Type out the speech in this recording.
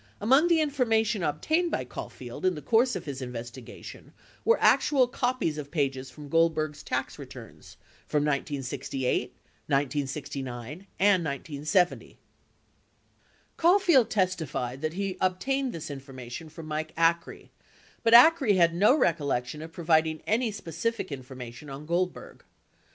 Among the information obtained by Caulfield in the course of his investigation were actual copies of pages from Gold berg's tax returns from 1968, 1969, and 1970. Caulfield testified that he obtained this information from Mike Acree, but Acree had no recollection of providing any specific infor mation on Goldberg.